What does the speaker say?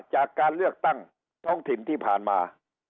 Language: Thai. จากการเลือกตั้งท้องถิ่นที่ผ่านมา